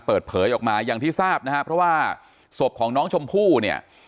เปิดเผยออกมาอย่างที่ทราบนะฮะเพราะว่าศพของน้องชมพู่เนี่ย